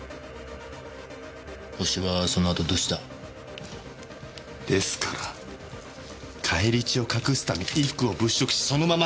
ホシはそのあとどうした？ですから返り血を隠すため衣服を物色しそのまま外へ。